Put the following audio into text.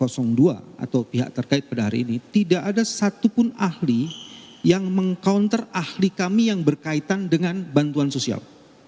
karena ahli ahli yang dihadirkan kosong dua atau pihak terkait pada hari ini tidak ada satupun ahli yang meng counter ahli kami yang berkaitan dengan bantuan sosial